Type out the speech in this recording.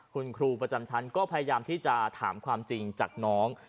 คุณครูประจำชั้นก็พยายามที่จะถามความจริงจากน้อง